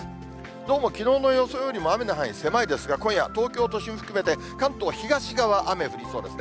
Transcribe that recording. どうもきのうの予想よりも雨の範囲、狭いですが、今夜、東京都心を含めて関東東側、雨降りそうですね。